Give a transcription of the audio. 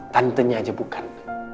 tantenya aja bukan